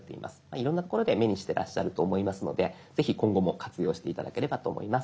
いろんな所で目にしてらっしゃると思いますのでぜひ今後も活用して頂ければと思います。